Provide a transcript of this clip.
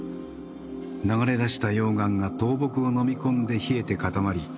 流れ出した溶岩が倒木をのみ込んで冷えて固まり